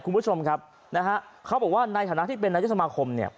คุณผู้ชมครับนะฮะเขาบอกว่าในฐานะที่เป็นนายกสมาคมเนี่ย